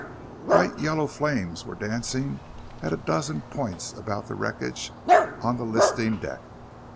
Bright yellow flames were dancing at a dozen points about the wreckage on the listing deck.